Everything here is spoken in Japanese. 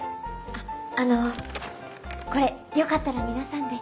あっあのこれよかったら皆さんで。